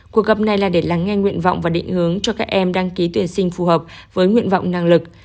cuộc gặp này là để lắng nghe nguyện vọng và định hướng cho các em đăng ký tuyển sinh phù hợp với nguyện vọng năng lực